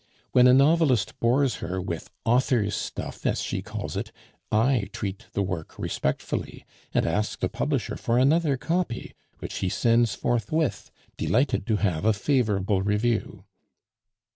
When a novelist bores her with 'author's stuff,' as she calls it, I treat the work respectfully, and ask the publisher for another copy, which he sends forthwith, delighted to have a favorable review."